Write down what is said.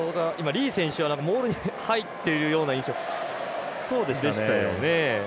リー選手はモールに入っているような印象でしたよね。